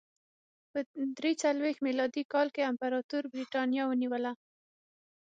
په درې څلوېښت میلادي کال کې امپراتور برېټانیا ونیوله